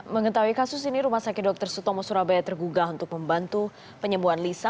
mengetahui kasus ini rumah sakit dr sutomo surabaya tergugah untuk membantu penyembuhan lisa